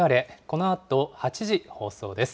このあと８時放送です。